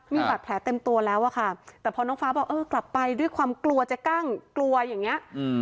มีบาดแผลเต็มตัวแล้วอะค่ะแต่พอน้องฟ้าบอกเออกลับไปด้วยความกลัวจะกล้างกลัวอย่างนี้